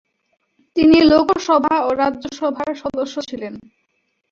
তিনি লোকসভা ও রাজ্যসভার সদস্য ছিলেন।